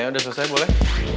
ya udah selesai boleh